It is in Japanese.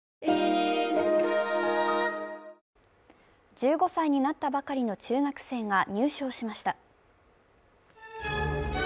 １５歳になったばかりの中学生が入賞しました。